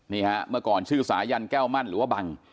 นี่ฮะเมื่อก่อนชื่อสายันแก้วมั่นหรือว่าบัง